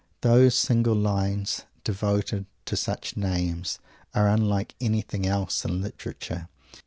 Those single lines, devoted to such names, are unlike anything else in literature.